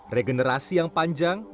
regenerasi yang panjang